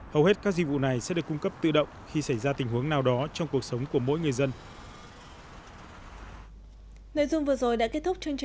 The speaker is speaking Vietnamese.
hầu hết các dịch vụ này sẽ được cung cấp tự động khi xảy ra tình huống nào đó trong cuộc sống của mỗi người dân